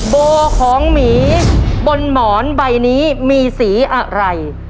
โบของหมีบนหมอนใบนี้มีสีอะไร